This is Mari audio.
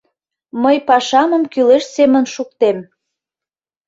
Мый пашамым кӱлеш семын шуктем.